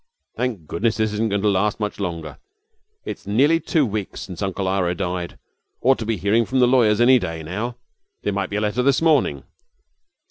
'Thank goodness this isn't going to last much longer. It's nearly two weeks since Uncle Ira died. We ought to be hearing from the lawyers any day now. There might be a letter this morning.'